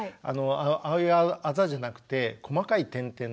ああいうあざじゃなくて細かい点々の。